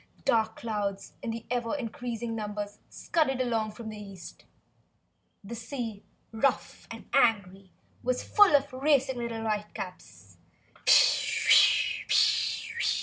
Dark clouds in ever increasing numbers scudded along from the east; the sea, rough and angry, was full of racing little whitecaps.